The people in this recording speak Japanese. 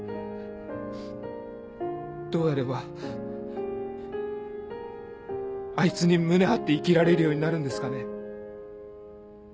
どうやればあいつに胸張って生きられるようになるんですかね。